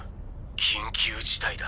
緊急事態だ。